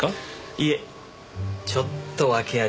いえちょっと訳ありで。